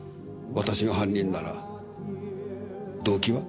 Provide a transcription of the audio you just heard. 私が犯人なら動機は？